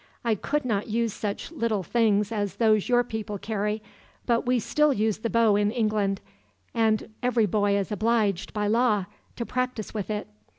"I could not use such little things as those your people carry; but we still use the bow in England, and every boy is obliged, by law, to practice with it.